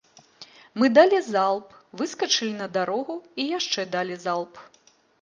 Мы далі залп, выскачылі на дарогу і яшчэ далі залп.